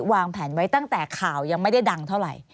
วางแผนไว้ตั้งแต่ข่าวยังไม่ได้ดังเท่าไหร่